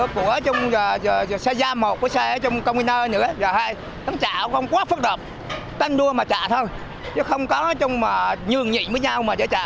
không quá phức độc tanh đua mà trả thôi chứ không có nhường nhị với nhau mà trả